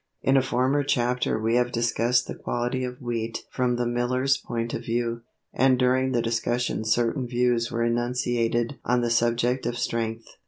In a former chapter we have discussed the quality of wheat from the miller's point of view, and during the discussion certain views were enunciated on the subject of strength.